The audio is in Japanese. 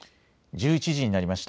１１時になりました。